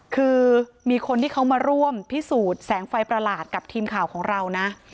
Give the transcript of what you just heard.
คือมีคนที่เขามาร่วมพิสูจน์แสงไฟประหลาดกับทีมข่าวของเรานะ